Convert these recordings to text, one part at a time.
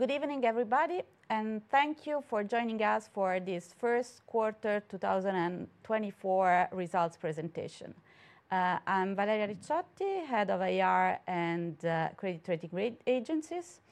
Good evening, everybody, and thank you for joining us for this first quarter 2024 results presentation. I'm Valeria Ricciotti, head of IR and credit rating agencies.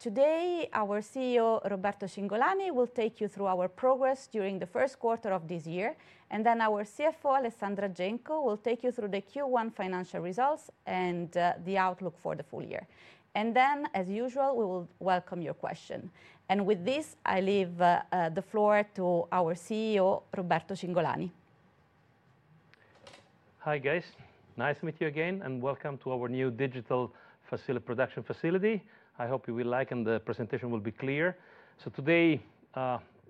Today our CEO Roberto Cingolani will take you through our progress during the first quarter of this year, and then our CFO Alessandra Genco will take you through the Q1 financial results and the outlook for the full year. And then, as usual, we will welcome your question. And with this, I leave the floor to our CEO Roberto Cingolani. Hi guys, nice to meet you again, and welcome to our new digital production facility. I hope you will like and the presentation will be clear. So today,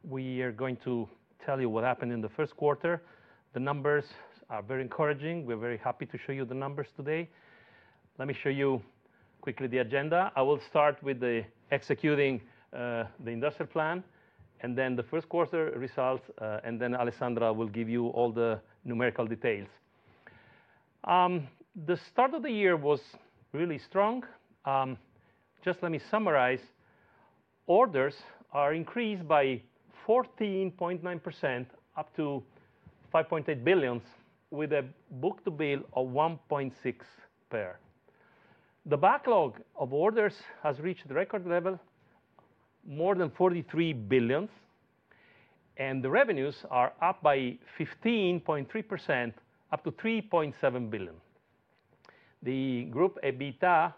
we are going to tell you what happened in the first quarter. The numbers are very encouraging. We're very happy to show you the numbers today. Let me show you quickly the agenda. I will start with the executing, the industrial plan, and then the first quarter results, and then Alessandra will give you all the numerical details. The start of the year was really strong. Just let me summarize. Orders are increased by 14.9% up to 5.8 billion, with a book-to-bill of 1.6x. The backlog of orders has reached record level, more than 43 billion, and the revenues are up by 15.3% up to 3.7 billion. The group EBITDA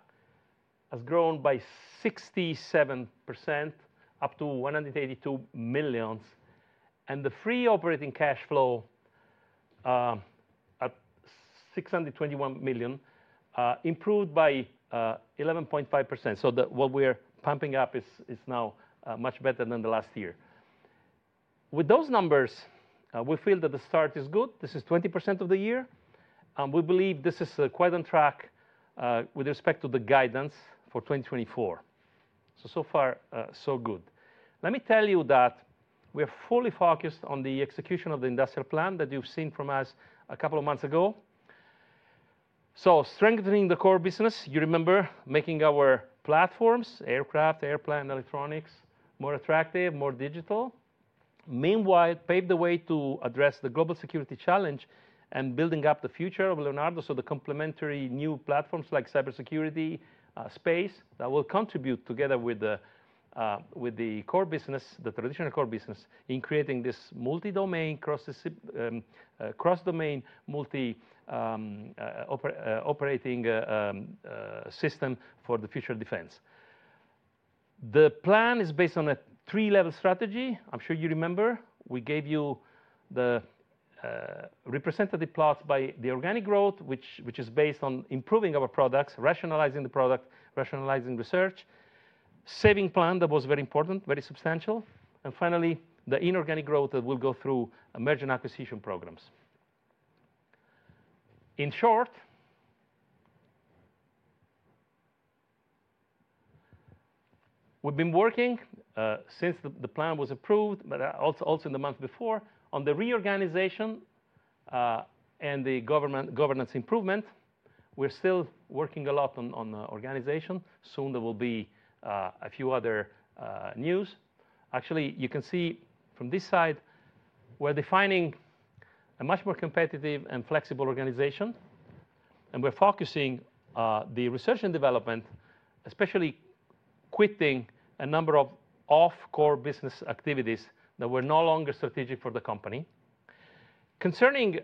has grown by 67% up to 182 million, and the free operating cash flow, at 621 million, improved by 11.5%. So what we're pumping up is now much better than the last year. With those numbers, we feel that the start is good. This is 20% of the year, and we believe this is quite on track with respect to the guidance for 2024. So far, so good. Let me tell you that we are fully focused on the execution of the industrial plan that you've seen from us a couple of months ago. So strengthening the core business, you remember, making our platforms, aircraft, airplane, electronics, more attractive, more digital. Meanwhile, paved the way to address the global security challenge and building up the future of Leonardo, so the complementary new platforms like cybersecurity, space that will contribute together with the core business, the traditional core business, in creating this multi-domain cross-domain multi-operating system for the future defense. The plan is based on a three-level strategy. I'm sure you remember. We gave you the representative plots by the organic growth, which is based on improving our products, rationalizing the product, rationalizing research, saving plan that was very important, very substantial, and finally the inorganic growth that will go through emergent acquisition programs. In short, we've been working, since the plan was approved, but also in the month before, on the reorganization, and the governance improvement. We're still working a lot on organization. Soon there will be a few other news. Actually, you can see from this side, we're defining a much more competitive and flexible organization, and we're focusing the research and development, especially quitting a number of off-core business activities that were no longer strategic for the company. Concerning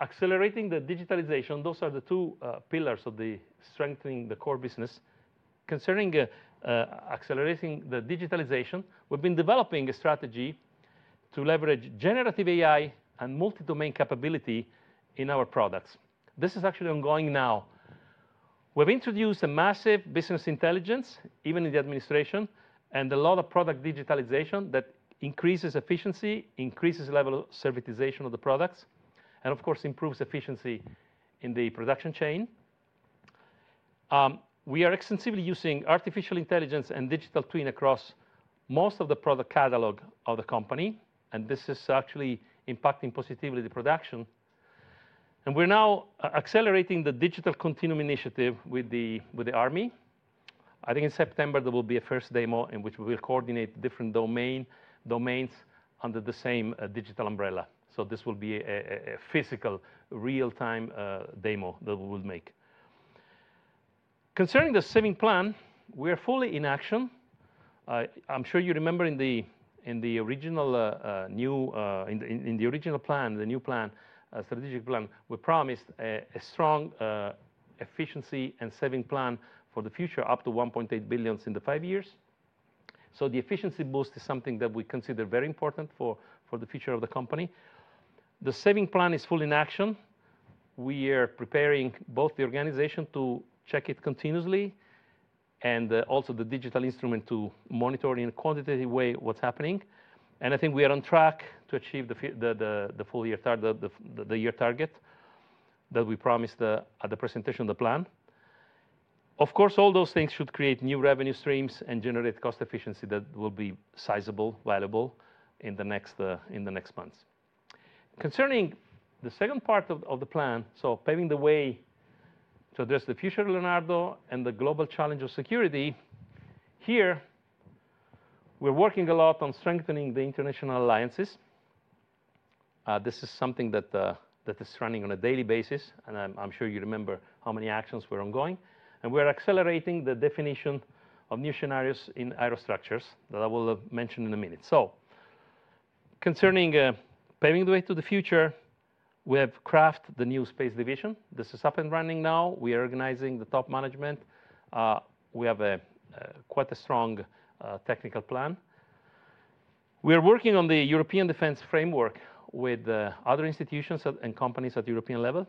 accelerating the digitalization, those are the two pillars of strengthening the core business. Concerning accelerating the digitalization, we've been developing a strategy to leverage Generative AI and multi-domain capability in our products. This is actually ongoing now. We've introduced a massive business intelligence, even in the administration, and a lot of product digitalization that increases efficiency, increases the level of servitization of the products, and of course improves efficiency in the production chain. We are extensively using artificial intelligence and Digital Twin across most of the product catalog of the company, and this is actually impacting positively the production. We're now accelerating the Digital Continuum initiative with the army. I think in September there will be a first demo in which we will coordinate different domains under the same digital umbrella. So this will be a physical, real-time demo that we will make. Concerning the saving plan, we are fully in action. I'm sure you remember in the original new plan, the strategic plan, we promised a strong efficiency and saving plan for the future up to 1.8 billion in the five years. So the efficiency boost is something that we consider very important for the future of the company. The saving plan is fully in action. We are preparing both the organization to check it continuously and also the digital instrument to monitor in a quantitative way what's happening. I think we are on track to achieve the full year target that we promised at the presentation of the plan. Of course, all those things should create new revenue streams and generate cost efficiency that will be sizable, valuable in the next months. Concerning the second part of the plan, so paving the way to address the future of Leonardo and the global challenge of security, here we're working a lot on strengthening the international alliances. This is something that is running on a daily basis, and I'm sure you remember how many actions were ongoing. We are accelerating the definition of new scenarios in Aerostructures that I will mention in a minute. Concerning paving the way to the future, we have crafted the new space division. This is up and running now. We are organizing the top management. We have quite a strong technical plan. We are working on the European defense framework with other institutions and companies at European level.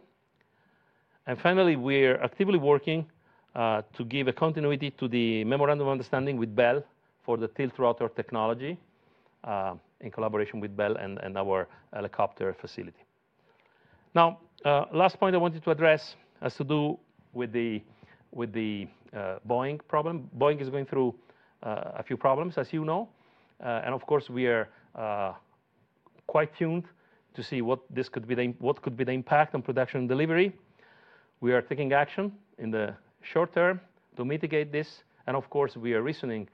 And finally, we are actively working to give a continuity to the memorandum of understanding with Bell for the tiltrotor technology, in collaboration with Bell and our helicopter facility. Now, the last point I wanted to address has to do with the Boeing problem. Boeing is going through a few problems, as you know. And of course we are quite tuned to see what the impact could be on production and delivery. We are taking action in the short term to mitigate this, and of course we are reasoning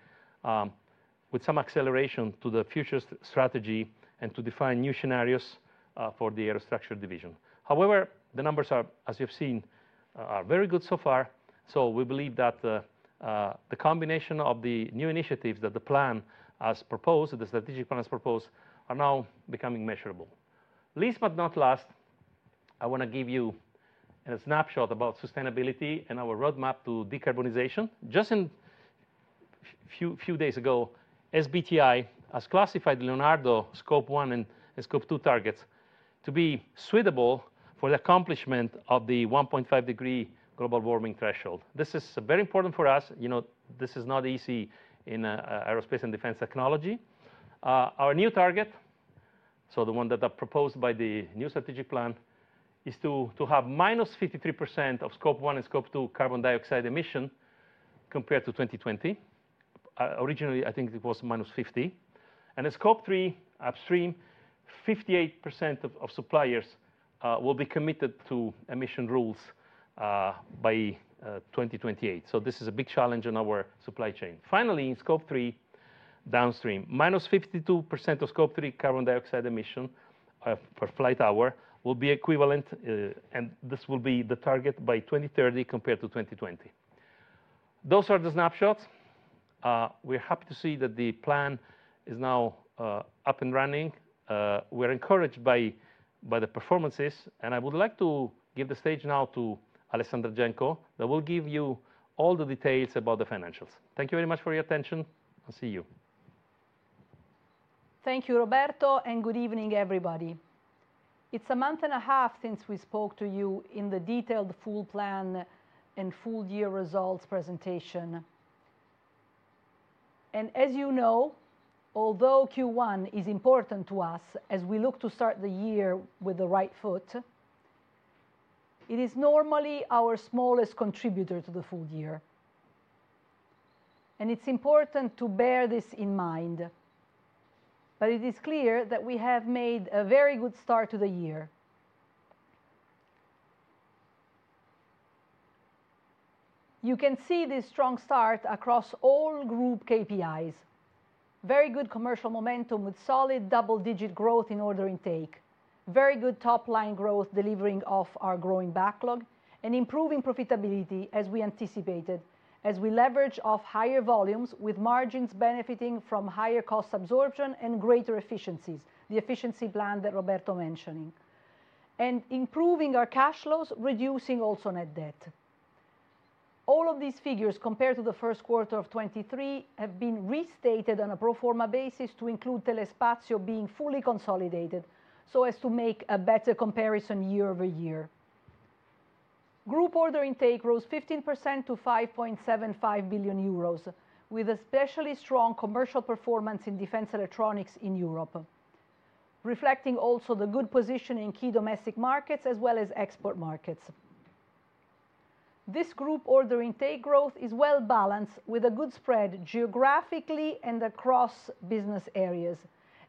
with some acceleration to the future strategy and to define new scenarios for the aerostructure division. However, the numbers are, as you've seen, very good so far. So we believe that the combination of the new initiatives that the plan has proposed, the strategic plan has proposed, are now becoming measurable. Last but not least, I wanna give you a snapshot about sustainability and our roadmap to decarbonization. Just a few days ago, SBTi has classified Leonardo Scope one and Scope two targets to be suitable for the accomplishment of the 1.5-degree global warming threshold. This is very important for us. You know, this is not easy in aerospace and defense technology. Our new target, so the one that I proposed by the new strategic plan, is to have -53% of Scope one and Scope two carbon dioxide emission compared to 2020. Originally I think it was -50%. At Scope three upstream, 58% of suppliers will be committed to emission rules by 2028. So this is a big challenge in our supply chain. Finally, in Scope three downstream, -52% of Scope three carbon dioxide emission per flight hour will be equivalent, and this will be the target by 2030 compared to 2020. Those are the snapshots. We're happy to see that the plan is now up and running. We're encouraged by the performances, and I would like to give the stage now to Alessandra Genco that will give you all the details about the financials. Thank you very much for your attention, and see you. Thank you, Roberto, and good evening, everybody. It's a month and a half since we spoke to you in the detailed full plan and full year results presentation. As you know, although Q1 is important to us as we look to start the year with the right foot, it is normally our smallest contributor to the full year. It's important to bear this in mind. It is clear that we have made a very good start to the year. You can see this strong start across all group KPIs. Very good commercial momentum with solid double-digit growth in order intake. Very good top-line growth delivering off our growing backlog and improving profitability as we anticipated, as we leverage off higher volumes with margins benefiting from higher cost absorption and greater efficiencies, the efficiency plan that Roberto mentioning, and improving our cash flows, reducing also net debt. All of these figures compared to the first quarter of 2023 have been restated on a pro forma basis to include Telespazio being fully consolidated so as to make a better comparison year-over-year. Group order intake rose 15% to 5.75 billion euros with especially strong commercial performance in defense electronics in Europe, reflecting also the good position in key domestic markets as well as export markets. This group order intake growth is well balanced with a good spread geographically and across business areas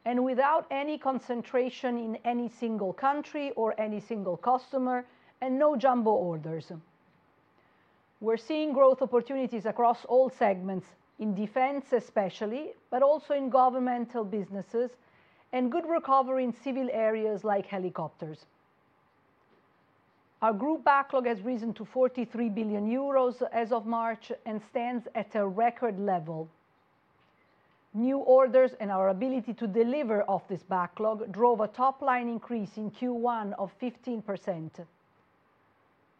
and without any concentration in any single country or any single customer and no jumbo orders. We're seeing growth opportunities across all segments, in defense especially, but also in governmental businesses and good recovery in civil areas like helicopters. Our group backlog has risen to 43 billion euros as of March and stands at a record level. New orders and our ability to deliver off this backlog drove a top-line increase in Q1 of 15%.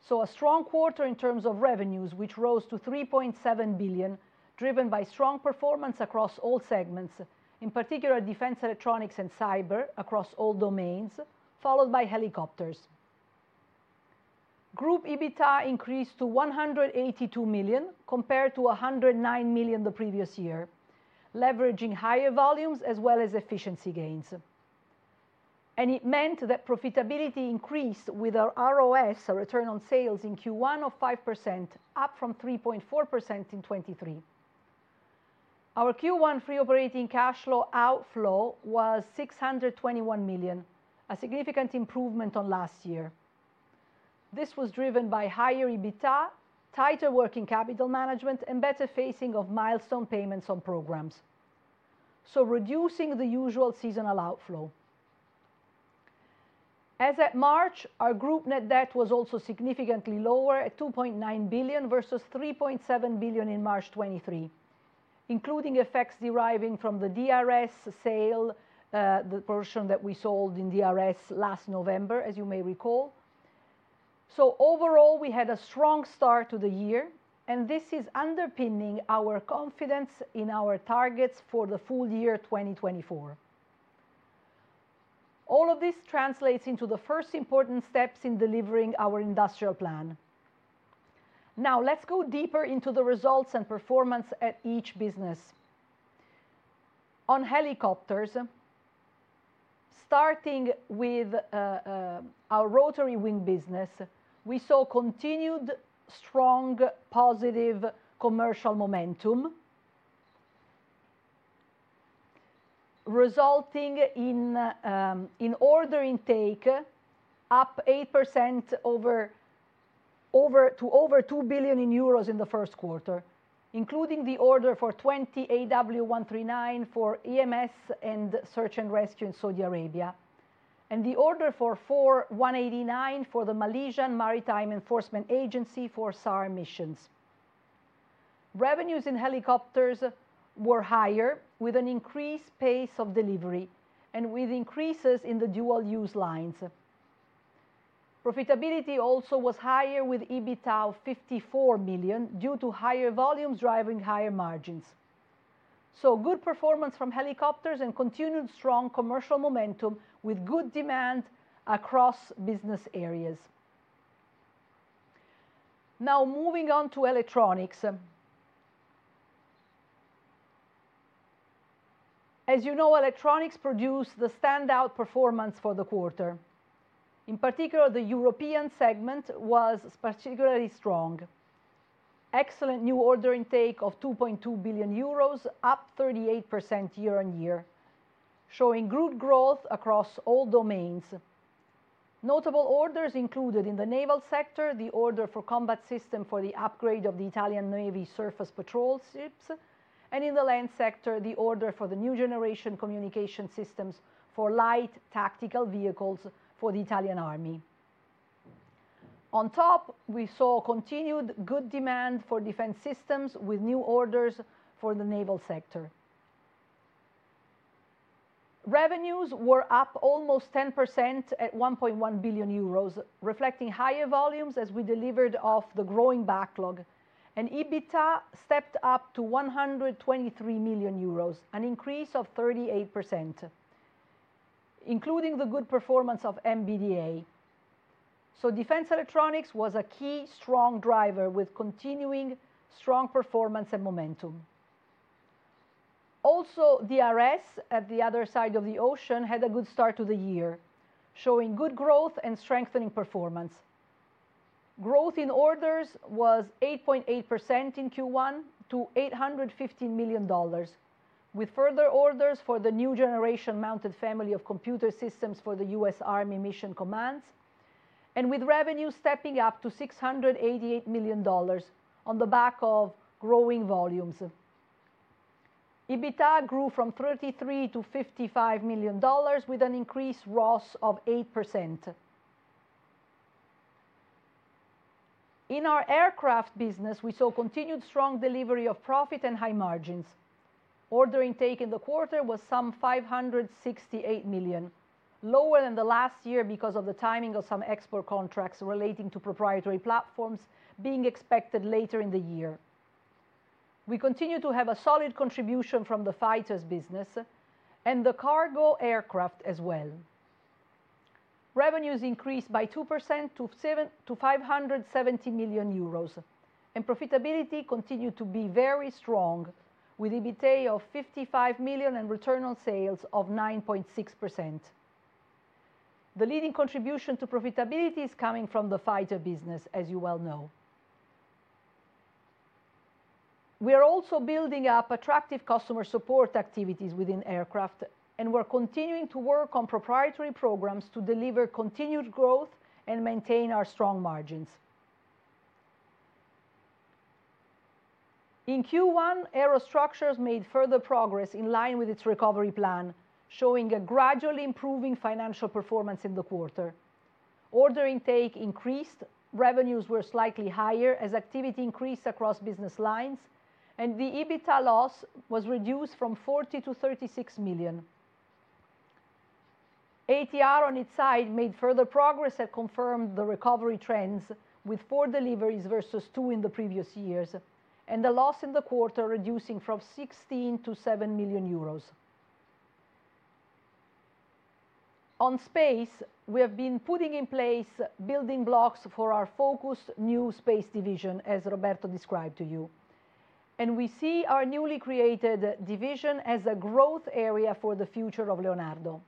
So a strong quarter in terms of revenues, which rose to 3.7 billion driven by strong performance across all segments, in particular defense electronics and cyber across all domains, followed by helicopters. Group EBITDA increased to 182 million compared to 109 million the previous year, leveraging higher volumes as well as efficiency gains. And it meant that profitability increased with our ROS, our return on sales in Q1 of 5%, up from 3.4% in 2023. Our Q1 free operating cash flow outflow was 621 million, a significant improvement on last year. This was driven by higher EBITDA, tighter working capital management, and better facing of milestone payments on programs, so reducing the usual seasonal outflow. As at March, our group net debt was also significantly lower at 2.9 billion versus 3.7 billion in March 2023, including effects deriving from the DRS sale, the portion that we sold in DRS last November, as you may recall. So overall we had a strong start to the year, and this is underpinning our confidence in our targets for the full year 2024. All of this translates into the first important steps in delivering our industrial plan. Now let's go deeper into the results and performance at each business. On helicopters, starting with our rotary wing business, we saw continued strong positive commercial momentum resulting in order intake up 8% year-over-year to over 2 billion euros in the first quarter, including the order for 20 AW139 for EMS and search and rescue in Saudi Arabia and the order for four AW189 for the Malaysian Maritime Enforcement Agency for SAR missions. Revenues in helicopters were higher with an increased pace of delivery and with increases in the dual-use lines. Profitability also was higher with EBITDA of 54 million due to higher volumes driving higher margins. So good performance from helicopters and continued strong commercial momentum with good demand across business areas. Now moving on to electronics. As you know, electronics produced the standout performance for the quarter. In particular, the European segment was particularly strong. Excellent new order intake of 2.2 billion euros, up 38% year-over-year, showing good growth across all domains. Notable orders included in the naval sector, the order for combat system for the upgrade of the Italian Navy surface patrol ships, and in the land sector, the order for the new generation communication systems for light tactical vehicles for the Italian Army. On top, we saw continued good demand for defense systems with new orders for the naval sector. Revenues were up almost 10% at 1.1 billion euros, reflecting higher volumes as we delivered off the growing backlog. EBITDA stepped up to 123 million euros, an increase of 38%, including the good performance of MBDA. Defense electronics was a key strong driver with continuing strong performance and momentum. Also, DRS at the other side of the ocean had a good start to the year, showing good growth and strengthening performance. Growth in orders was 8.8% in Q1 to $815 million, with further orders for the new generation Mounted Family of Computer Systems for the US Army Mission Commands and with revenue stepping up to $688 million on the back of growing volumes. EBITDA grew from $33 million to $55 million with an increased ROS of 8%. In our aircraft business, we saw continued strong delivery of profit and high margins. Order intake in the quarter was some $568 million, lower than the last year because of the timing of some export contracts relating to proprietary platforms being expected later in the year. We continue to have a solid contribution from the fighters business and the cargo aircraft as well. Revenues increased by 2% to 570 million euros, and profitability continued to be very strong with EBITDA of 55 million and return on sales of 9.6%. The leading contribution to profitability is coming from the fighter business, as you well know. We are also building up attractive customer support activities within aircraft and we're continuing to work on proprietary programs to deliver continued growth and maintain our strong margins. In Q1, Aerostructures made further progress in line with its recovery plan, showing a gradually improving financial performance in the quarter. Order intake increased. Revenues were slightly higher as activity increased across business lines, and the EBITDA loss was reduced from 40 million-36 million. ATR on its side made further progress and confirmed the recovery trends with four deliveries versus two in the previous years and the loss in the quarter reducing from 16 million-7 million euros. On space, we have been putting in place building blocks for our focused new space division, as Roberto described to you. We see our newly created division as a growth area for the future of Leonardo.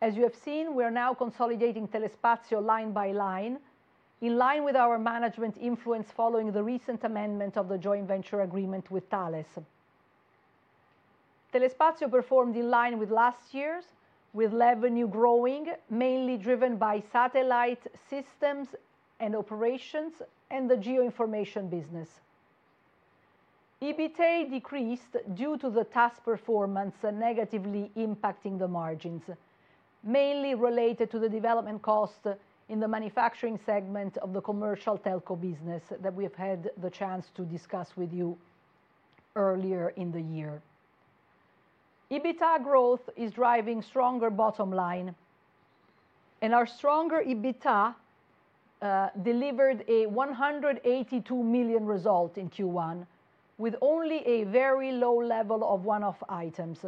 As you have seen, we are now consolidating Telespazio line by line, in line with our management influence following the recent amendment of the joint venture agreement with Thales. Telespazio performed in line with last year's with revenue growing mainly driven by satellite systems and operations and the geoinformation business. EBITDA decreased due to the TAS performance negatively impacting the margins, mainly related to the development cost in the manufacturing segment of the commercial telco business that we have had the chance to discuss with you earlier in the year. EBITDA growth is driving stronger bottom line, and our stronger EBITDA delivered a 182 million result in Q1 with only a very low level of one-off items.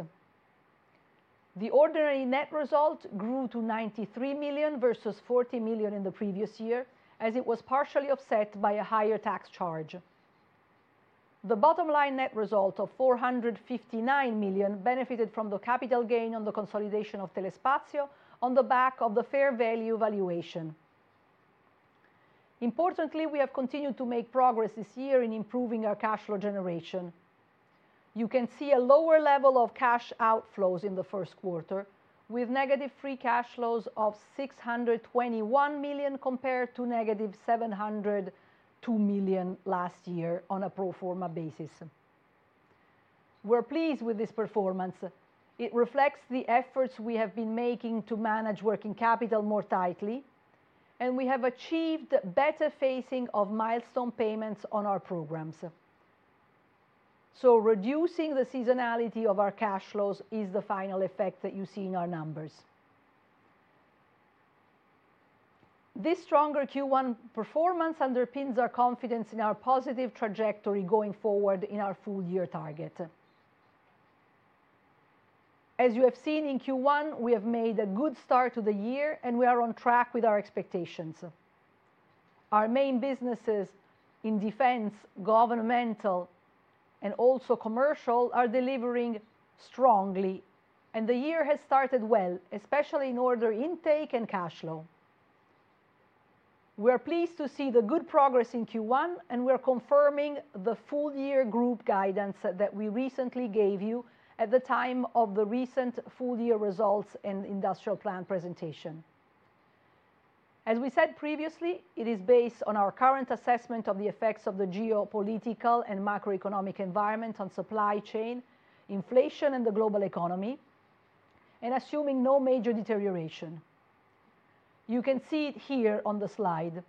The ordinary net result grew to 93 million versus 40 million in the previous year as it was partially offset by a higher tax charge. The bottom line net result of 459 million benefited from the capital gain on the consolidation of Telespazio on the back of the fair value valuation. Importantly, we have continued to make progress this year in improving our cash flow generation. You can see a lower level of cash outflows in the first quarter with negative free cash flows of 621 million compared to -702 million last year on a pro forma basis. We're pleased with this performance. It reflects the efforts we have been making to manage working capital more tightly, and we have achieved better facing of milestone payments on our programs. So reducing the seasonality of our cash flows is the final effect that you see in our numbers. This stronger Q1 performance underpins our confidence in our positive trajectory going forward in our full year target. As you have seen in Q1, we have made a good start to the year, and we are on track with our expectations. Our main businesses in defense, governmental, and also commercial are delivering strongly, and the year has started well, especially in order intake and cash flow. We are pleased to see the good progress in Q1, and we are confirming the full year group guidance that we recently gave you at the time of the recent full year results and industrial plan presentation. As we said previously, it is based on our current assessment of the effects of the geopolitical and macroeconomic environment on supply chain, inflation, and the global economy, and assuming no major deterioration. You can see it here on the slide.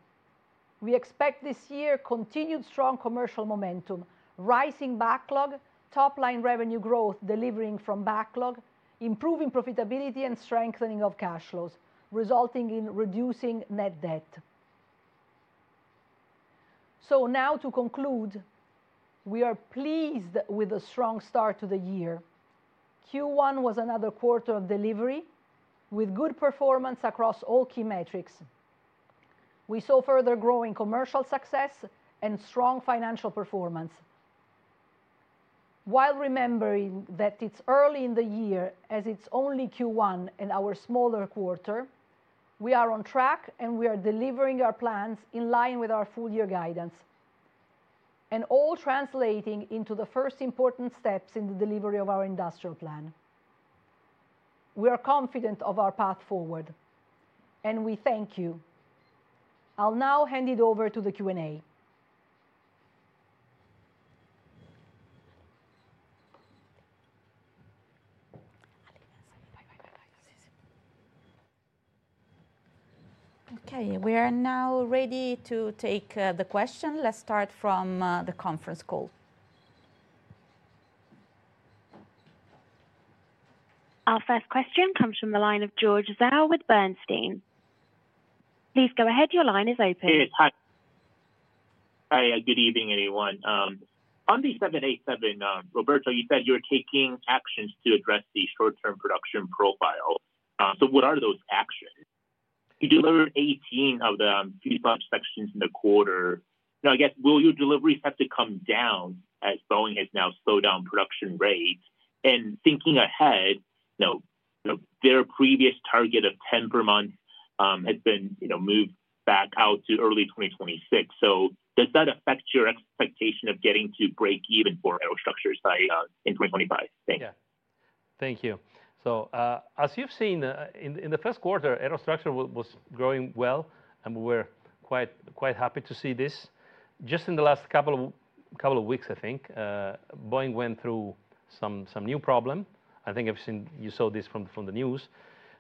We expect this year continued strong commercial momentum, rising backlog, top-line revenue growth delivering from backlog, improving profitability, and strengthening of cash flows, resulting in reducing net debt. So now to conclude, we are pleased with a strong start to the year. Q1 was another quarter of delivery with good performance across all key metrics. We saw further growing commercial success and strong financial performance. While remembering that it's early in the year as it's only Q1 and our smaller quarter, we are on track, and we are delivering our plans in line with our full year guidance and all translating into the first important steps in the delivery of our industrial plan. We are confident of our path forward, and we thank you. I'll now hand it over to the Q&A. Okay. We are now ready to take the question. Let's start from the conference call. Our first question comes from the line of George Zhao with Bernstein. Please go ahead. Your line is open. Yes. Hi. Hi. Good evening, everyone. On the 787, Roberto, you said you were taking actions to address the short-term production profile. So what are those actions? You delivered 18 of the fuselage sections in the quarter. Now, I guess, will your deliveries have to come down as Boeing has now slowed down production rates? And thinking ahead, you know, you know, their previous target of 10 per month has been, you know, moved back out to early 2026. So does that affect your expectation of getting to break even for Aerostructures by in 2025? Thanks. Yeah. Thank you. So, as you've seen, in the first quarter, aerostructure was growing well, and we were quite happy to see this. Just in the last couple of weeks, I think, Boeing went through some new problem. I think you've seen this from the news.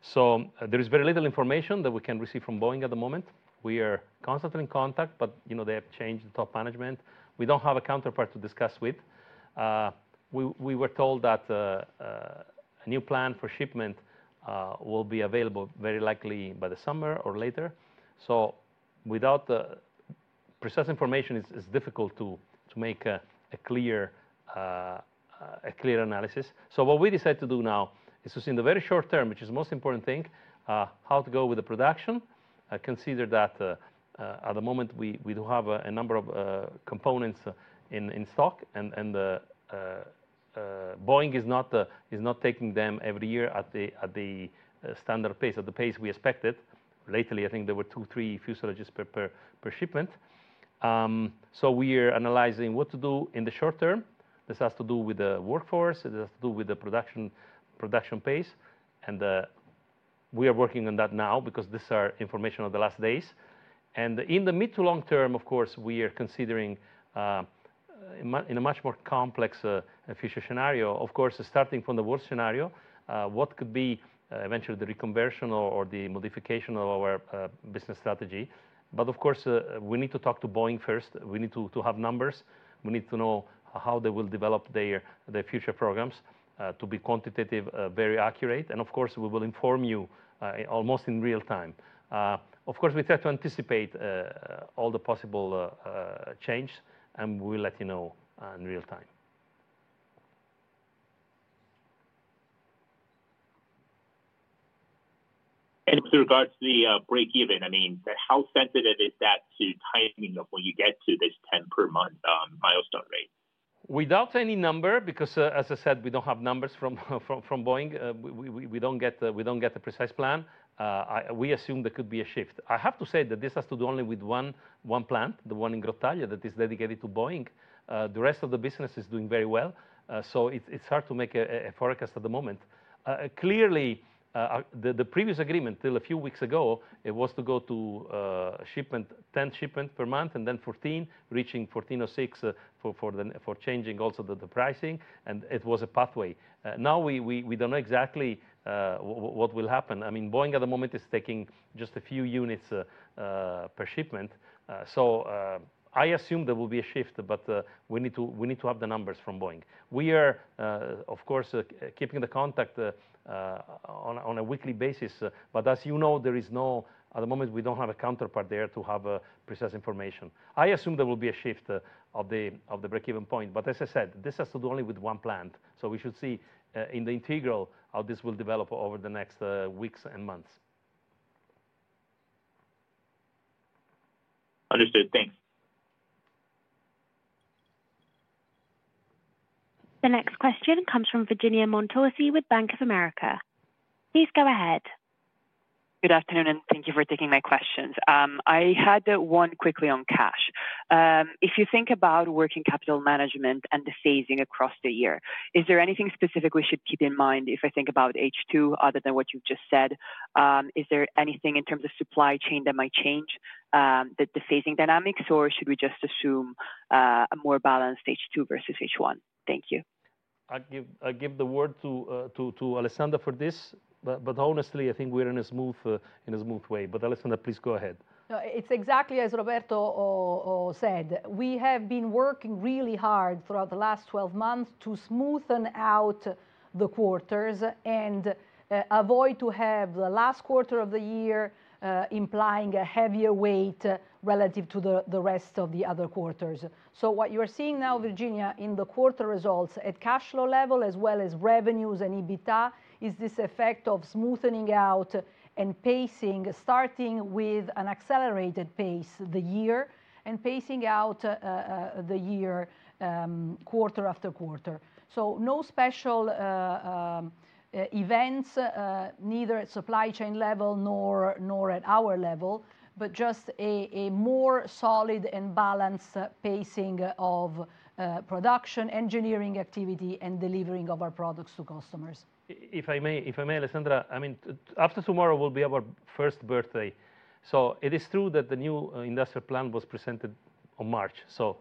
So, there is very little information that we can receive from Boeing at the moment. We are constantly in contact, but, you know, they have changed the top management. We don't have a counterpart to discuss with. We were told that a new plan for shipment will be available very likely by the summer or later. So without precise information, it's difficult to make a clear analysis. So what we decided to do now is to see in the very short term, which is the most important thing, how to go with the production. Consider that, at the moment, we do have a number of components in stock, and Boeing is not taking them every year at the standard pace, at the pace we expected. Lately, I think there were two, three fuselages per shipment. So we are analyzing what to do in the short term. This has to do with the workforce. It has to do with the production pace. And we are working on that now because this is information of the last days. In the mid to long term, of course, we are considering, in a much more complex, future scenario, of course, starting from the worst scenario, what could be, eventually the reconversion or, or the modification of our, business strategy. But, of course, we need to talk to Boeing first. We need to, to have numbers. We need to know how they will develop their, their future programs, to be quantitative, very accurate. And, of course, we will inform you, almost in real time. Of course, we try to anticipate, all the possible, changes, and we will let you know, in real time. With regards to the break even, I mean, how sensitive is that to timing of when you get to this 10 per month milestone rate? Without any number because, as I said, we don't have numbers from Boeing. We don't get the precise plan. I assume there could be a shift. I have to say that this has to do only with one plant, the one in Grottaglie that is dedicated to Boeing. The rest of the business is doing very well. So it's hard to make a forecast at the moment. Clearly, the previous agreement till a few weeks ago, it was to go to 10 shipments per month and then 14, reaching 14.06 for changing also the pricing. And it was a pathway. Now we don't know exactly what will happen. I mean, Boeing at the moment is taking just a few units per shipment. So, I assume there will be a shift, but we need to we need to have the numbers from Boeing. We are, of course, keeping the contact, on a on a weekly basis. But as you know, there is no at the moment, we don't have a counterpart there to have precise information. I assume there will be a shift of the of the break-even point. But as I said, this has to do only with one plant. So we should see, in the integral how this will develop over the next, weeks and months. Understood. Thanks. The next question comes from Virginia Montorsi with Bank of America. Please go ahead. Good afternoon, and thank you for taking my questions. I had one quickly on cash. If you think about working capital management and the phasing across the year, is there anything specific we should keep in mind if I think about H2 other than what you've just said? Is there anything in terms of supply chain that might change, the phasing dynamics, or should we just assume a more balanced H2 versus H1? Thank you. I'll give the word to Alessandra for this. But honestly, I think we're in a smooth way. But Alessandra, please go ahead. No, it's exactly as Roberto said. We have been working really hard throughout the last 12 months to smoothen out the quarters and avoid to have the last quarter of the year implying a heavier weight relative to the, the rest of the other quarters. So what you are seeing now, Virginia, in the quarter results at cash flow level as well as revenues and EBITDA is this effect of smoothening out and pacing, starting with an accelerated pace the year and pacing out the year, quarter after quarter. So no special events, neither at supply chain level nor at our level, but just a more solid and balanced pacing of production, engineering activity, and delivering of our products to customers. If I may, if I may, Alessandra, I mean, after tomorrow will be our first birthday. So it is true that the new industrial plan was presented on March, so,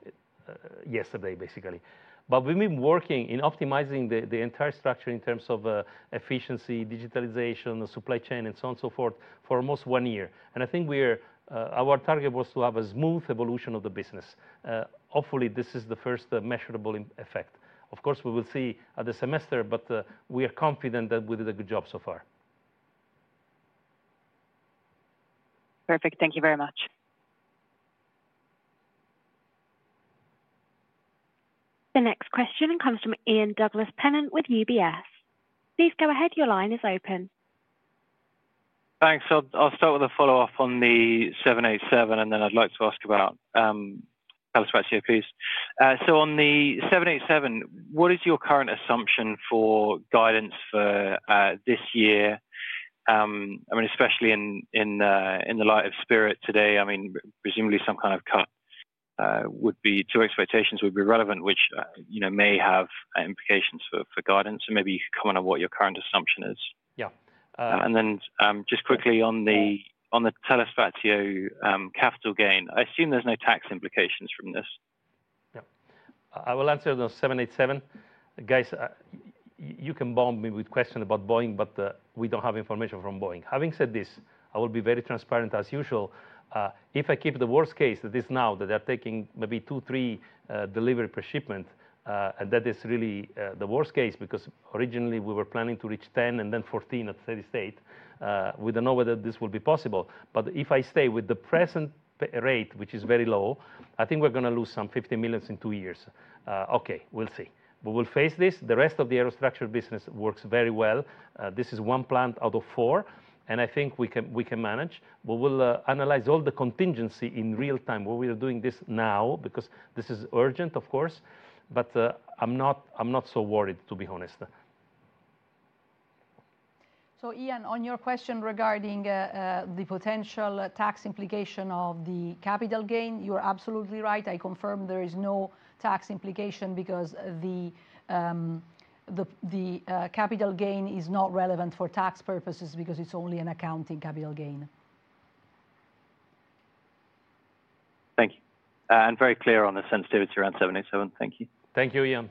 yesterday, basically. But we've been working in optimizing the entire structure in terms of efficiency, digitalization, supply chain, and so on and so forth for almost one year. And I think we are our target was to have a smooth evolution of the business. Hopefully, this is the first measurable effect. Of course, we will see at the semester, but we are confident that we did a good job so far. Perfect. Thank you very much. The next question comes from Ian Douglas-Pennant with UBS. Please go ahead. Your line is open. Thanks. So I'll start with a follow-up on the 787, and then I'd like to ask about cash ratio, please. So on the 787, what is your current assumption for guidance for this year? I mean, especially in the light of Spirit today, I mean, presumably some kind of cut would be to expectations would be relevant, which, you know, may have implications for guidance. So maybe you could comment on what your current assumption is. Yeah. Just quickly on the Telespazio, capital gain, I assume there's no tax implications from this. Yeah. I will answer the 787. Guys, you can bomb me with questions about Boeing, but we don't have information from Boeing. Having said this, I will be very transparent as usual. If I keep the worst case that is now, that they are taking maybe two, three deliveries per shipment, and that is really the worst case because originally we were planning to reach 10 and then 14 at the steady state. We don't know whether this will be possible. But if I stay with the present rate, which is very low, I think we're going to lose some 50 million in two years. Okay. We'll see. We will face this. The rest of the Aerostructure business works very well. This is one plant out of four, and I think we can we can manage. We will analyze all the contingency in real time while we are doing this now because this is urgent, of course. But, I'm not so worried, to be honest. So Ian, on your question regarding the potential tax implication of the capital gain, you're absolutely right. I confirm there is no tax implication because the capital gain is not relevant for tax purposes because it's only an accounting capital gain. Thank you. Very clear on the sensitivity around 787. Thank you. Thank you, Ian.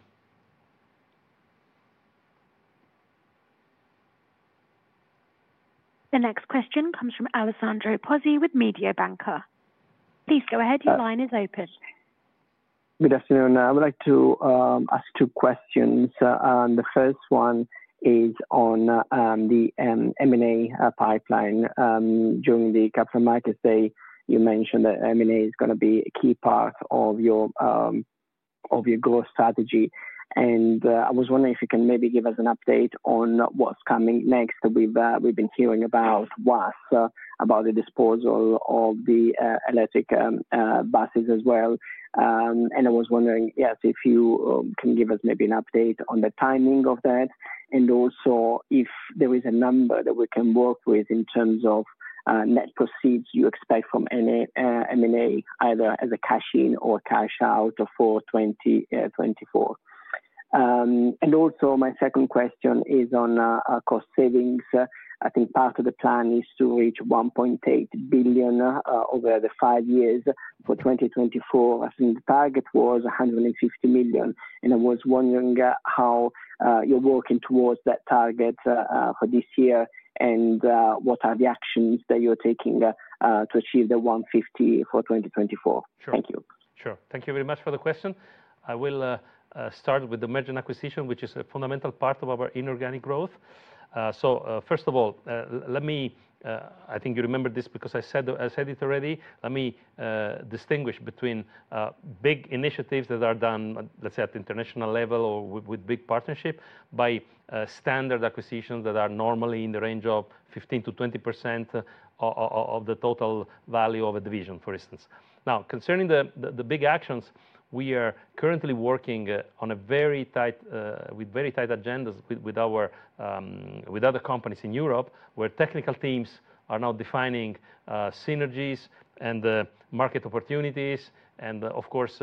The next question comes from Alessandro Pozzi with Mediobanca. Please go ahead. Your line is open. Good afternoon. I would like to ask two questions. The first one is on the M&A pipeline. During the capital markets day, you mentioned that M&A is going to be a key part of your growth strategy. I was wondering if you can maybe give us an update on what's coming next. We've been hearing about WASS, about the disposal of the electric buses as well. I was wondering, yes, if you can give us maybe an update on the timing of that and also if there is a number that we can work with in terms of net proceeds you expect from M&A, either as a cash-in or cash-out for 2020, 2024. My second question is on cost savings. I think part of the plan is to reach 1.8 billion over the five years for 2024. I think the target was 150 million. I was wondering how you're working towards that target for this year, and what are the actions that you're taking to achieve 150 million for 2024. Sure. Thank you. Sure. Thank you very much for the question. I will start with the merger and acquisition, which is a fundamental part of our inorganic growth. So, first of all, let me. I think you remember this because I said I said it already. Let me distinguish between big initiatives that are done, let's say, at the international level or with big partnership by standard acquisitions that are normally in the range of 15%-20% of of of the total value of a division, for instance. Now, concerning the the big actions, we are currently working on a very tight, with very tight agendas with with our with other companies in Europe where technical teams are now defining synergies and market opportunities and of course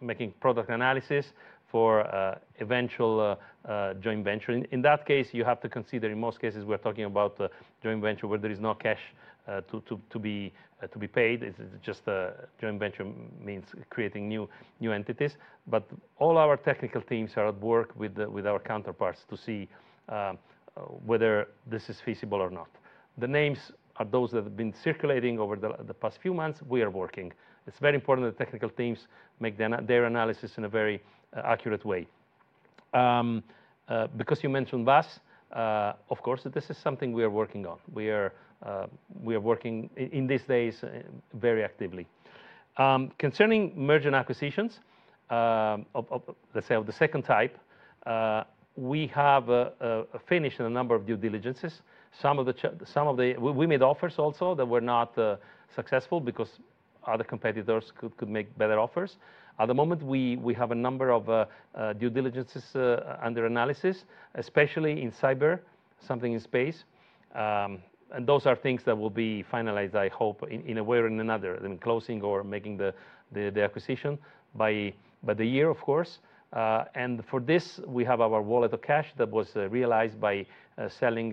making product analysis for eventual joint venture. In that case, you have to consider in most cases, we're talking about joint venture where there is no cash to be paid. It's just joint venture means creating new entities. But all our technical teams are at work with our counterparts to see whether this is feasible or not. The names are those that have been circulating over the past few months. We are working. It's very important that technical teams make their analysis in a very accurate way because you mentioned WASS, of course, this is something we are working on. We are working in these days very actively concerning merger and acquisitions of, let's say, of the second type, we have finished a number of due diligences. Some of the we made offers also that were not successful because other competitors could make better offers. At the moment, we have a number of due diligences under analysis, especially in cyber, something in space. And those are things that will be finalized, I hope, in a way or another, I mean, closing or making the acquisition by the year, of course. And for this, we have our wallet of cash that was realized by selling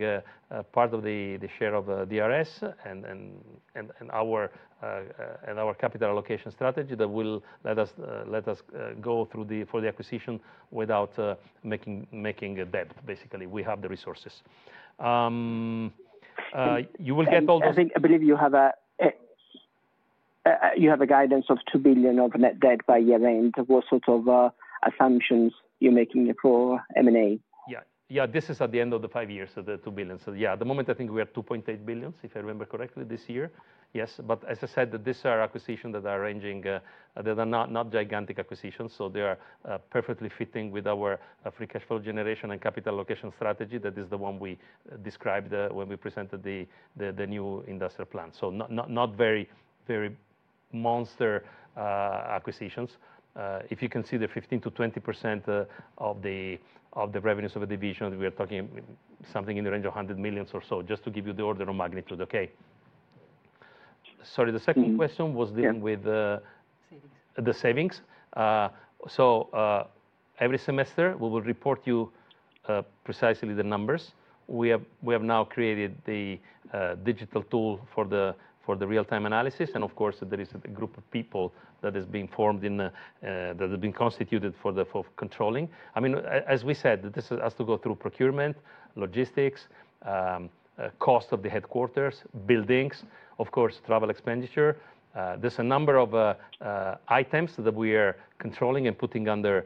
part of the share of DRS and our capital allocation strategy that will let us go through the acquisition without making debt, basically. We have the resources. You will get all those. I believe you have guidance of 2 billion of net debt by year-end. What sort of assumptions you're making for M&A? Yeah. Yeah. This is at the end of the five years, the 2 billion. So yeah, at the moment, I think we are 2.8 billion, if I remember correctly, this year. Yes. But as I said, these are acquisitions that are ranging that are not, not gigantic acquisitions. So they are, perfectly fitting with our free cash flow generation and capital allocation strategy that is the one we described when we presented the, the, the new industrial plan. So not, not, not very, very monster, acquisitions. If you can see the 15%-20% of the revenues of a division, we are talking something in the range of 100 million or so, just to give you the order of magnitude, okay? Sorry. The second question was dealing with, Savings. The savings. So, every semester, we will report to you precisely the numbers. We have now created the digital tool for the real-time analysis. And of course, there is a group of people that has been constituted for controlling. I mean, as we said, this has to go through procurement, logistics, cost of the headquarters, buildings, of course, travel expenditure. There is a number of items that we are controlling and putting under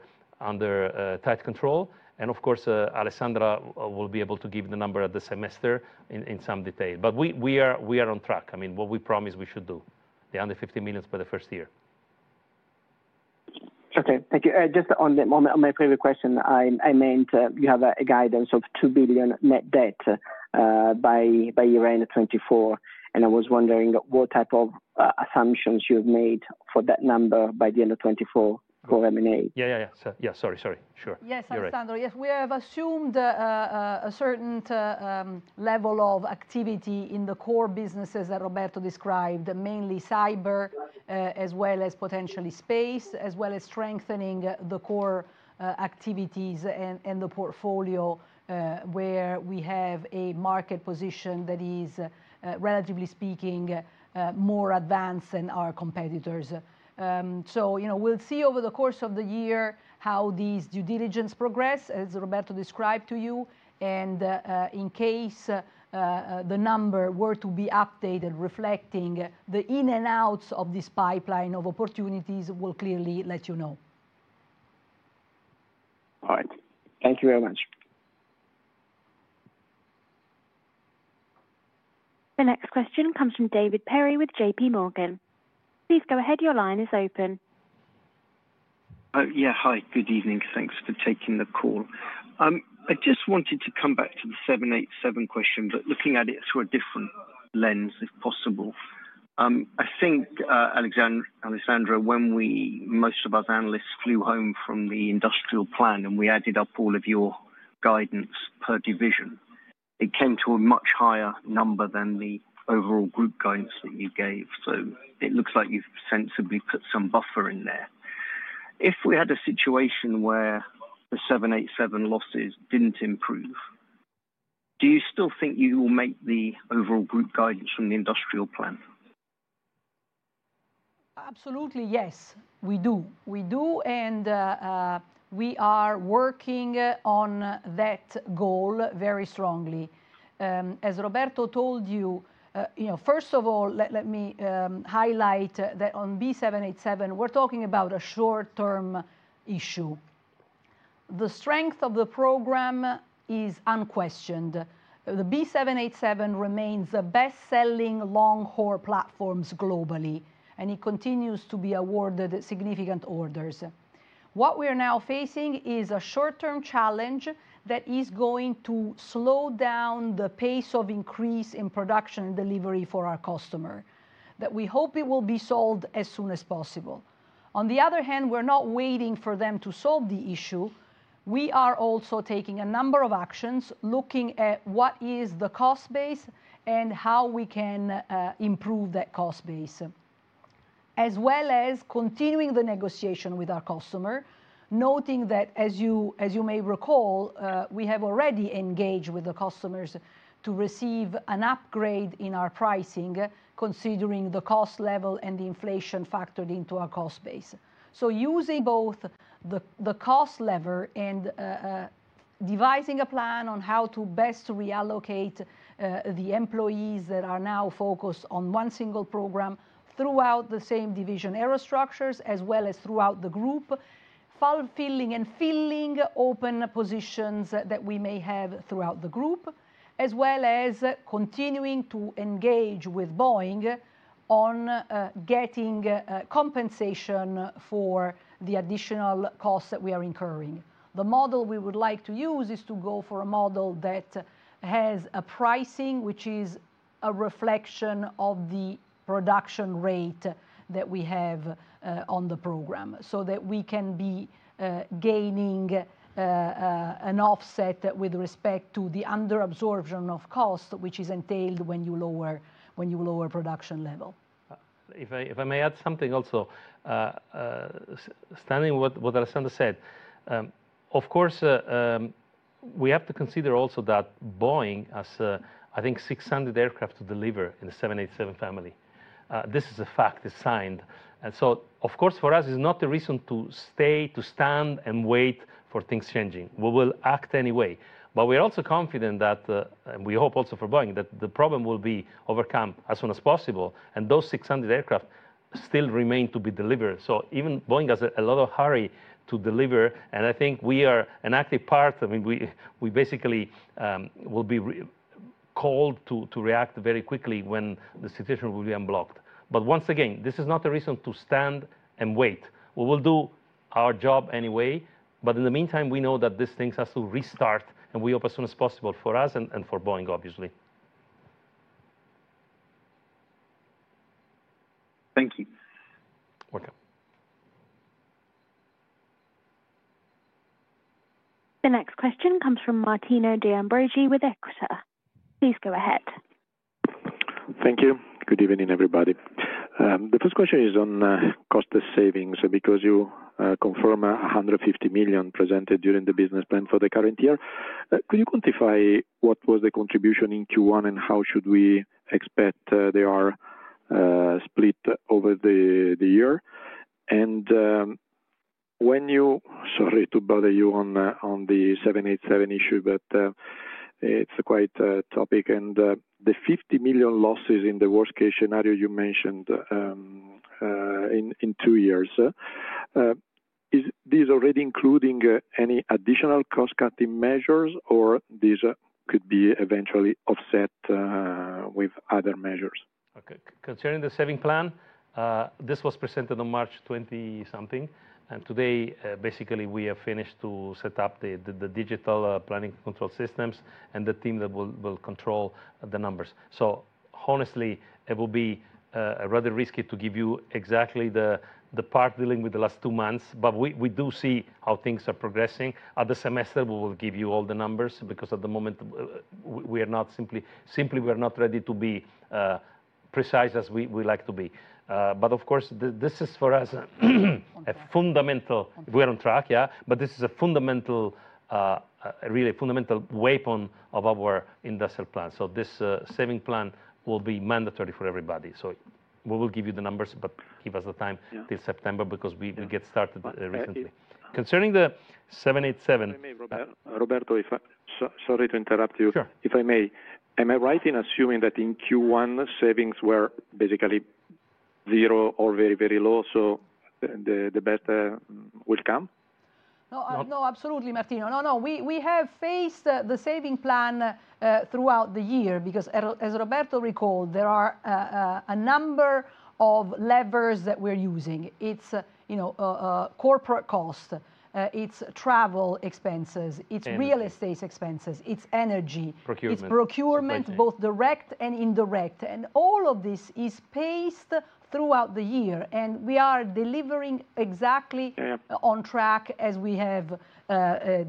tight control. And of course, Alessandra will be able to give the number at the semester in some detail. But we are on track. I mean, what we promised we should do, under 50 million by the first year. Okay. Thank you. Just on that one, on my previous question, I meant, you have a guidance of 2 billion net debt, by year-end 2024. I was wondering what type of assumptions you have made for that number by the end of 2024 for M&A. Yeah, yeah, yeah. Yeah. Sorry, sorry. Sure. Yes, Alessandro. Yes, we have assumed a certain level of activity in the core businesses that Roberto described, mainly cyber, as well as potentially space, as well as strengthening the core activities and the portfolio, where we have a market position that is, relatively speaking, more advanced than our competitors. So, you know, we'll see over the course of the year how these due diligence progress, as Roberto described to you. And in case the number were to be updated reflecting the ins and outs of this pipeline of opportunities, we'll clearly let you know. All right. Thank you very much. The next question comes from David Perry with JPMorgan. Please go ahead. Your line is open. Yeah. Hi. Good evening. Thanks for taking the call. I just wanted to come back to the 787 question, but looking at it through a different lens, if possible. I think, Alessandra, when we, most of us analysts, flew home from the industrial plan and we added up all of your guidance per division, it came to a much higher number than the overall group guidance that you gave. So it looks like you've sensibly put some buffer in there. If we had a situation where the 787 losses didn't improve, do you still think you will make the overall group guidance from the industrial plan? Absolutely, yes, we do. We do. We are working on that goal very strongly. As Roberto told you, you know, first of all, let me highlight that on B787, we're talking about a short-term issue. The strength of the program is unquestioned. The B787 remains the best-selling long-haul platforms globally, and it continues to be awarded significant orders. What we are now facing is a short-term challenge that is going to slow down the pace of increase in production and delivery for our customer, that we hope it will be solved as soon as possible. On the other hand, we're not waiting for them to solve the issue. We are also taking a number of actions, looking at what is the cost base and how we can improve that cost base, as well as continuing the negotiation with our customer, noting that, as you may recall, we have already engaged with the customers to receive an upgrade in our pricing, considering the cost level and the inflation factored into our cost base. So using both the cost lever and devising a plan on how to best reallocate the employees that are now focused on one single program throughout the same division Aerostructures, as well as throughout the group, fulfilling and filling open positions that we may have throughout the group, as well as continuing to engage with Boeing on getting compensation for the additional costs that we are incurring. The model we would like to use is to go for a model that has a pricing which is a reflection of the production rate that we have on the program so that we can be gaining an offset with respect to the underabsorption of cost, which is entailed when you lower production level. If I may add something also, stemming from what Alessandra said, of course, we have to consider also that Boeing has, I think, 600 aircraft to deliver in the 787 family. This is a fact. It's signed. And so, of course, for us, it's not a reason to stand and wait for things changing. We will act anyway. But we are also confident that we hope also for Boeing that the problem will be overcome as soon as possible. And those 600 aircraft still remain to be delivered. So even Boeing has a lot of hurry to deliver. And I think we are an active part. I mean, we basically will be called to react very quickly when the situation will be unblocked. But once again, this is not a reason to stand and wait. We will do our job anyway. But in the meantime, we know that this thing has to restart, and we hope as soon as possible for us and for Boeing, obviously. Thank you. You're welcome. The next question comes from Martino De Ambroggi with Equita. Please go ahead. Thank you. Good evening, everybody. The first question is on cost savings because you confirm 150 million presented during the business plan for the current year. Could you quantify what was the contribution in Q1 and how should we expect they are split over the year? And when you—sorry to bother you on the 787 issue, but it's quite a topic. And the 50 million losses in the worst-case scenario you mentioned in two years, is this already including any additional cost-cutting measures, or this could be eventually offset with other measures? Okay. Concerning the saving plan, this was presented on March 20-something. Today, basically, we have finished to set up the, the digital, planning and control systems and the team that will, will control the numbers. Honestly, it will be rather risky to give you exactly the, the part dealing with the last two months. But we, we do see how things are progressing. At the semester, we will give you all the numbers because at the moment, we, we are not simply simply, we are not ready to be, precise as we, we like to be. But of course, this is for us a fundamental. We're on track, yeah. But this is a fundamental, really a fundamental weapon of our industrial plan. This saving plan will be mandatory for everybody. So we will give you the numbers, but give us the time till September because we get started recently. Concerning the 787. I may, Roberto, if I'm sorry to interrupt you. Sure. If I may, am I right in assuming that in Q1, savings were basically zero or very, very low, so the, the best, will come? No, no, absolutely, Martino. No, no. We have faced the savings plan throughout the year because, as Roberto recalled, there are a number of levers that we're using. It's, you know, corporate costs. It's travel expenses. It's real estate expenses. It's energy. Procurement. It's procurement, both direct and indirect. And all of this is paced throughout the year. And we are delivering exactly on track as we have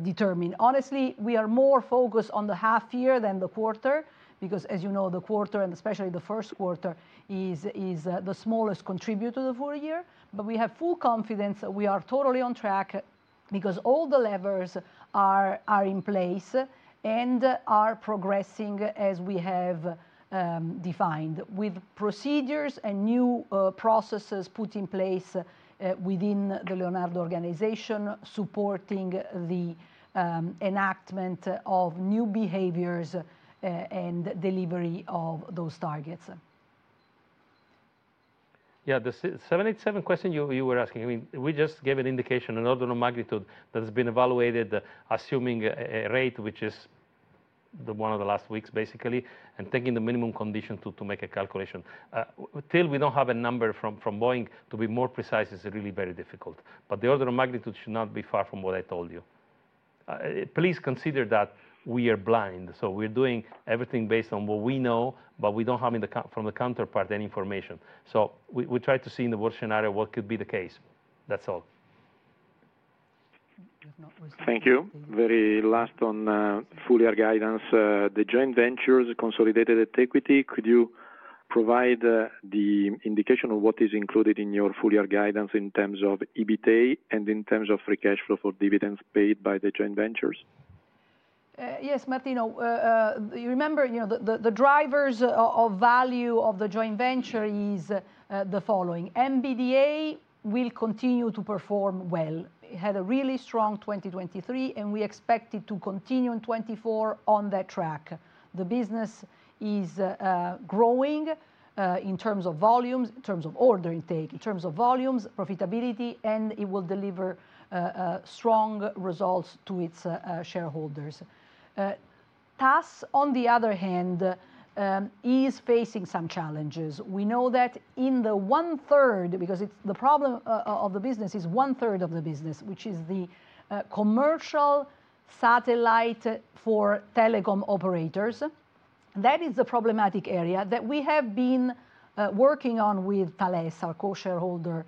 determined. Honestly, we are more focused on the half-year than the quarter because, as you know, the quarter, and especially the first quarter, is the smallest contributor to the full year. But we have full confidence that we are totally on track because all the levers are in place and are progressing as we have defined, with procedures and new processes put in place, within the Leonardo organization supporting the enactment of new behaviors, and delivery of those targets. Yeah. The 787 question you, you were asking, I mean, we just gave an indication, an order of magnitude that has been evaluated assuming a rate which is the one of the last weeks, basically, and taking the minimum condition to, to make a calculation. Till we don't have a number from, from Boeing, to be more precise is really very difficult. But the order of magnitude should not be far from what I told you. Please consider that we are blind. So we're doing everything based on what we know, but we don't have from the counterpart any information. So we, we try to see in the worst scenario what could be the case. That's all. We have not received anything. Thank you. Very last one, full-year guidance. The joint ventures consolidated at equity. Could you provide the indication of what is included in your full-year guidance in terms of EBITDA and in terms of free cash flow for dividends paid by the joint ventures? Yes, Martino. You remember, you know, the drivers of value of the joint venture is the following: MBDA will continue to perform well. It had a really strong 2023, and we expect it to continue in 2024 on that track. The business is growing, in terms of volumes, in terms of order intake, in terms of volumes, profitability, and it will deliver strong results to its shareholders. TAS, on the other hand, is facing some challenges. We know that in the one-third because it's the problem of the business is 1/3 of the business, which is the commercial satellite for telecom operators. That is the problematic area that we have been working on with Thales, our co-shareholder,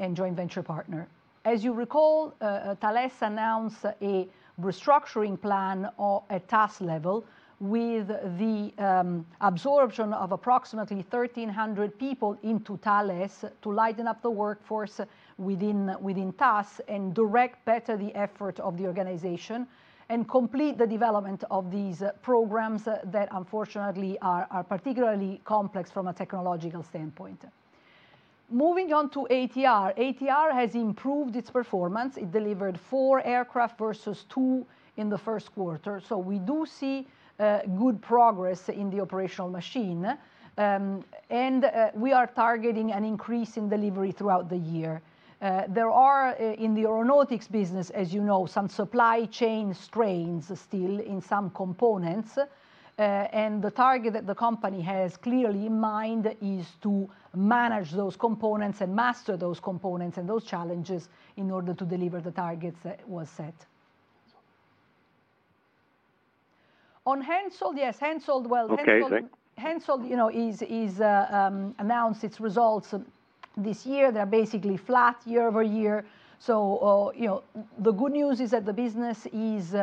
and joint venture partner. As you recall, Thales announced a restructuring plan at TAS level with the absorption of approximately 1,300 people into Thales to lighten up the workforce within TAS and direct better the effort of the organization and complete the development of these programs that, unfortunately, are particularly complex from a technological standpoint. Moving on to ATR. ATR has improved its performance. It delivered four aircraft versus two in the first quarter. So we do see good progress in the operational machine. We are targeting an increase in delivery throughout the year. There are, in the aeronautics business, as you know, some supply chain strains still in some components. The target that the company has clearly in mind is to manage those components and master those components and those challenges in order to deliver the targets that were set. On Hensoldt, yes. Hensoldt, well, Hensoldt. Okay. Great. Hensoldt, you know, is announced its results this year. They're basically flat year-over-year. So, you know, the good news is that the business is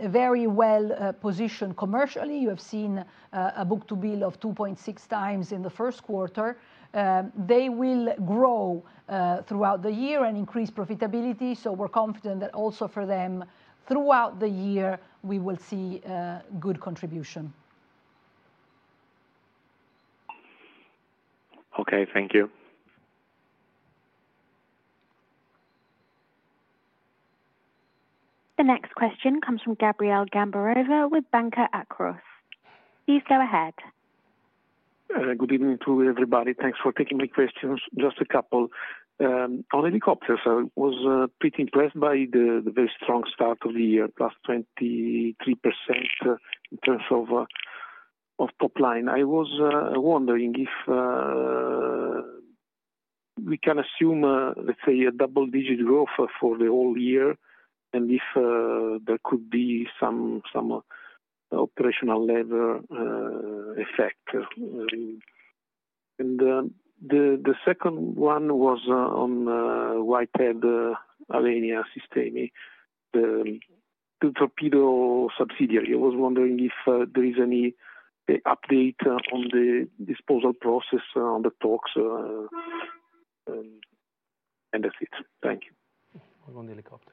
very well positioned commercially. You have seen a book-to-bill of 2.6x in the first quarter. They will grow throughout the year and increase profitability. So we're confident that also for them, throughout the year, we will see good contribution. Okay. Thank you. The next question comes from Gabriele Gambarova with Banca Akros. Please go ahead. Good evening to everybody. Thanks for taking my questions. Just a couple. On helicopters, I was pretty impressed by the very strong start of the year, +23% in terms of top line. I was wondering if we can assume, let's say, a double-digit growth for the whole year and if there could be some operational lever effect. The second one was on Whitehead Alenia Sistemi, the torpedo subsidiary. I was wondering if there is any update on the disposal process, on the talks, and that's it. Thank you. All on helicopters.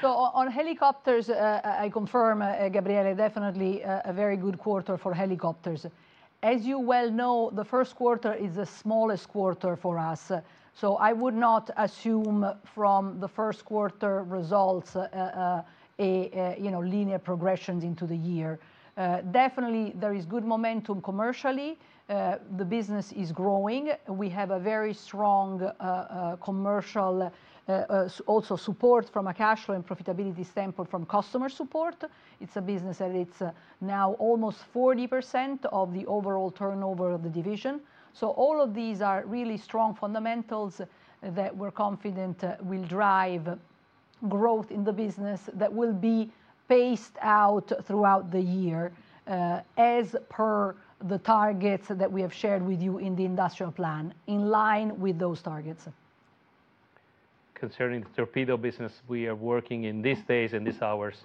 So, on helicopters, I confirm, Gabriele, definitely a very good quarter for helicopters. As you well know, the first quarter is the smallest quarter for us. So I would not assume from the first quarter results, you know, linear progressions into the year. Definitely, there is good momentum commercially. The business is growing. We have a very strong commercial, also support from a cash flow and profitability standpoint from customer support. It's a business that it's now almost 40% of the overall turnover of the division. So all of these are really strong fundamentals that we're confident will drive growth in the business that will be paced out throughout the year, as per the targets that we have shared with you in the industrial plan, in line with those targets. Concerning the torpedo business, we are working in these days, in these hours,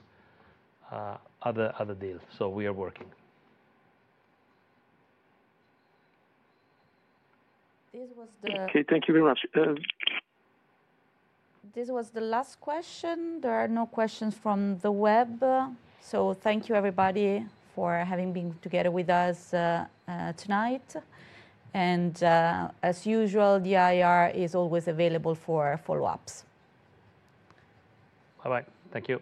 at the deal. So we are working. This was the. Okay. Thank you very much. This was the last question. There are no questions from the web. Thank you, everybody, for having been together with us, tonight. As usual, the IR is always available for follow-ups. Bye-bye. Thank you.